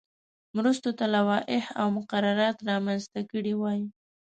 مرستو ته لوایح او مقررات رامنځته کړي وای.